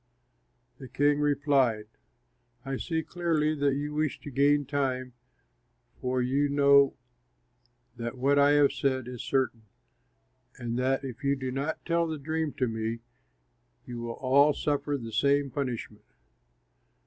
The king replied, "I see clearly that you wish to gain time, for you know that what I have said is certain, and that if you do not tell the dream to me, you will all suffer the same punishment.